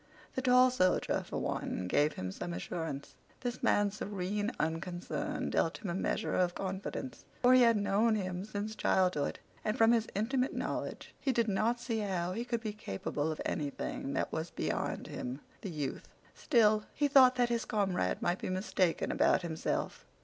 The tall soldier, for one, gave him some assurance. This man's serene unconcern dealt him a measure of confidence, for he had known him since childhood, and from his intimate knowledge he did not see how he could be capable of anything that was beyond him, the youth. Still, he thought that his comrade might be mistaken about himself.